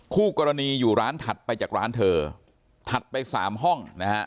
คู่กรณีอยู่ร้านถัดไปจากร้านเธอถัดไปสามห้องนะฮะ